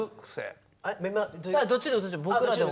あどっちでもどっちでも。